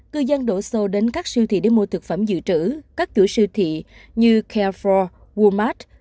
cư dân đổ xô đến các siêu thị để mua thực phẩm dự trữ các chủ siêu thị như care bốn walmart